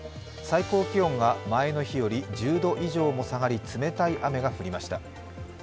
最高気温が前の日より１０度以上も下がり冷たい雨が降りました。